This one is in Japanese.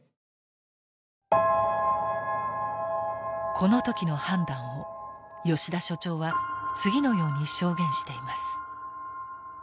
この時の判断を吉田所長は次のように証言しています。